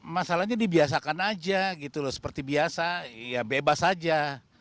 masalahnya dibiasakan aja gitu loh seperti biasa ya bebas aja